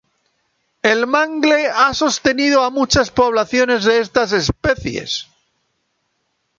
El mangle ha sostenido a muchas poblaciones de estas especies.